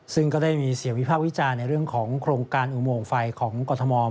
ซึ่งก็ได้มีเสียงวิพากษ์วิจารณ์ในเรื่องของโครงการอุโมงไฟของกรทม